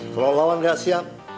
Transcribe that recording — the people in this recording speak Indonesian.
kalau lawan gak siap